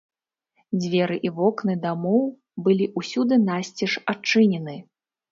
Дзверы і вокны дамоў былі ўсюды насцеж адчынены.